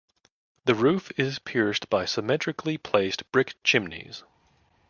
The roof is pierced by symmetrically placed brick chimneys.